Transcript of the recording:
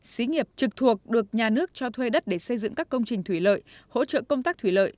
xí nghiệp trực thuộc được nhà nước cho thuê đất để xây dựng các công trình thủy lợi hỗ trợ công tác thủy lợi